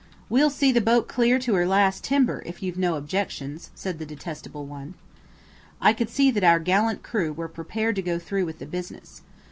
"We'll see the boat clear to her last last timber, if you've no objections," said the Detestable One. I could see that our gallant crew were prepared to go through with the business.